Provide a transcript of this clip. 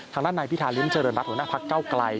ทางด้านนายพิธาริมเจริญรัฐหัวหน้าพักเก้าไกล